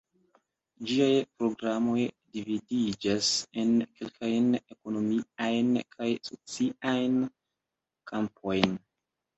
Ĝiaj programoj dividiĝas en kelkajn ekonomiajn kaj sociajn kampojn.